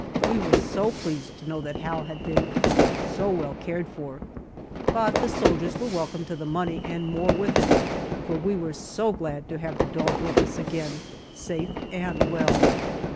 We were so pleased to know that Hal had been so well cared for. But the soldiers were welcome to the money and more with it, for we were so glad to have the dog with us again, safe and well.